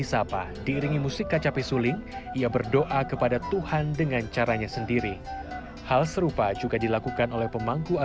sampai jumpa di video selanjutnya